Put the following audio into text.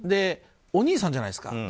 お兄さんじゃないですか。